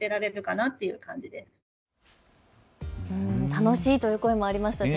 楽しいという声もありましたし